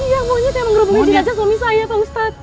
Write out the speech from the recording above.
iya monyet yang menghubungi diri aja suami saya pak ustadz